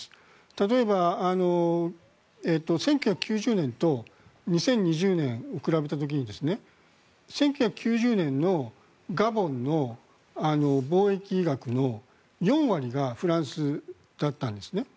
例えば１９９０年と２０２０年を比べた時に１９９０年のガボンの貿易額の４割がフランスだったんですね。